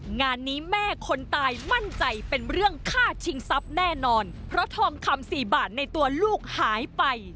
งานนี้แม่คนตายมั่นใจเป็นเรื่องฆ่าชิงทรัพย์แน่นอนเพราะทองคำสี่บาทในตัวลูกหายไป